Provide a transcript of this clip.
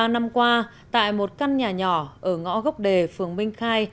một mươi ba năm qua tại một căn nhà nhỏ ở ngõ gốc đề phường minh khai